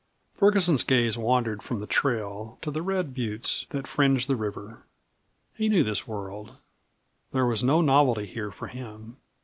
Ferguson's gaze wandered from the trail to the red buttes that fringed the river. He knew this world; there was no novelty here for him.